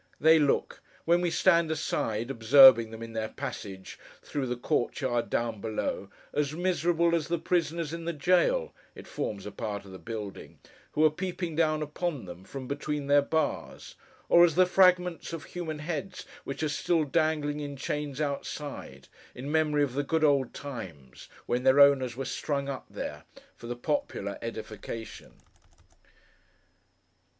They look: when we stand aside, observing them, in their passage through the court yard down below: as miserable as the prisoners in the gaol (it forms a part of the building), who are peeping down upon them, from between their bars; or, as the fragments of human heads which are still dangling in chains outside, in memory of the good old times, when their owners were strung up there, for the popular edification.